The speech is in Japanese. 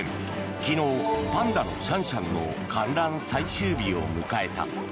昨日、パンダのシャンシャンの観覧最終日を迎えた。